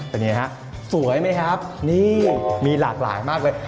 เป็นอย่างนี้ครับสวยไหมครับนี่มีหลากหลายมากเลย